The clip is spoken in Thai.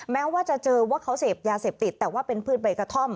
แม้ว่าจะเจอว่าเขาเสพยาเสพติดแต่ว่าเป็นพืชใบกระท่อม